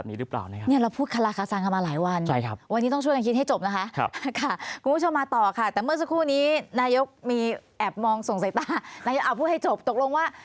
เอาพูดให้จบตกลงว่า